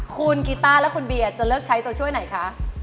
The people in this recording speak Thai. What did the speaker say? คุณกีต้าและคุณเบียร์จะเลือกใช้ตัวช่วยไหนคะ